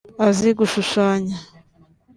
azi gushushanya